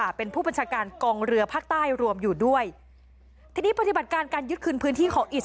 และก็จับกลุ่มตัวกลุ่มฮามาสอีก๒๖คน